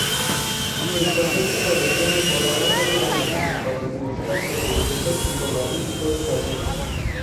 Sus pacientes parecían mejorar más rápidamente que cuando utilizaba procedimientos psicoanalíticos pasivos.